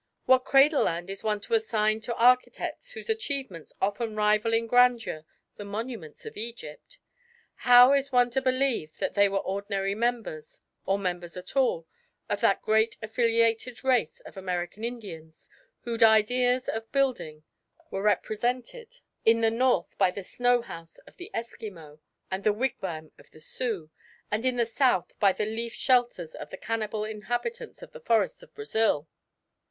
What cradle land is one to assign to architects whose achievements often rival in grandeur the monuments of Egypt? How is one to believe that they were ordinary members, or members at all, of that great affiliated race of American Indians whose ideas of building were represented in the north by the snow house of the Eskimo and the wigwam of the Sioux, and in the south by the leaf shelters of the cannibal inhabitants of the forests of Brazil?